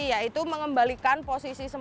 yaitu mengembalikan posisi sutari